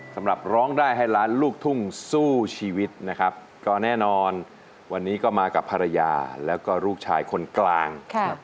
ร้องได้ให้ล้านลูกทุ่งสู้ชีวิตนะครับก็แน่นอนวันนี้ก็มากับภรรยาแล้วก็ลูกชายคนกลาง